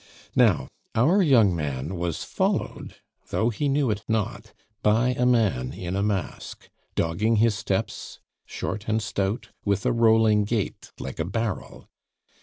Now, our young man was followed, though he knew it not, by a man in a mask, dogging his steps, short and stout, with a rolling gait, like a barrel.